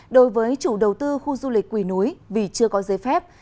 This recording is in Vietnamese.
đối với chủ đầu tư khu du lịch quỳ núi vì chưa có giấy phép